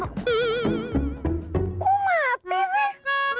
kok mati sih